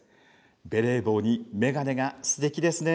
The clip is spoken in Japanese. ベレー帽に眼鏡がすてきですね。